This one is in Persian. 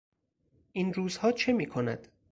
این روزها چه میکند؟